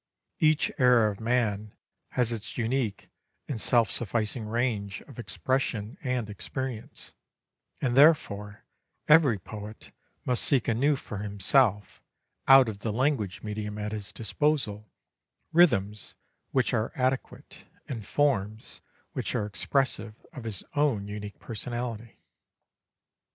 Each era of man has its unique and self sufficing range of expression and experience, and therefore every poet must seek anew for himself, out of the language medium at his disposal, rhythms which are adequate and forms which are expressive of his own unique personality.